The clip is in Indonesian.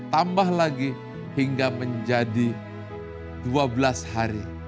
tambah lagi hingga menjadi dua belas hari